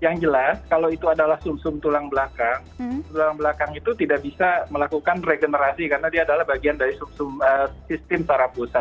yang jelas kalau itu adalah sum sum tulang belakang tulang belakang itu tidak bisa melakukan regenerasi karena dia adalah bagian dari sistem saraf pusat